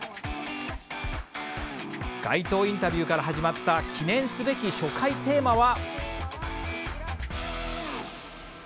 街頭インタビューから始まった記念すべき初回テーマは。